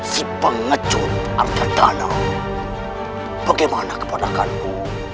si pengecut al qadana bagaimana kebenakanmu